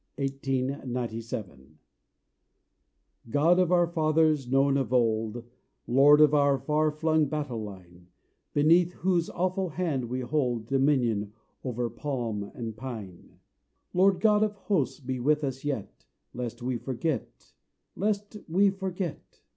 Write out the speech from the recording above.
3 RECESSIONAL (1897) God of our fathers, known of old, Lord of our far flung battle line, Beneath whose awful Hand we hold Dominion over palm and pine Lord God of Hosts, be with us yet, Lest we forget lest we forget!